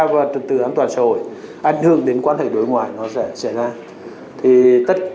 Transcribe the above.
và trực tự an toàn xã hội ảnh hưởng đến quan hệ đối ngoại nó sẽ ra